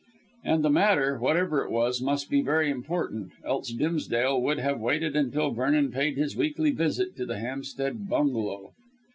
And the matter, whatever it was, must be very important, else Dimsdale would have waited until Vernon paid his weekly visit to the Hampstead bungalow.